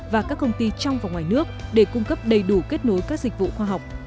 và các công ty trong và ngoài nước để cung cấp đầy đủ kết nối các dịch vụ khoa học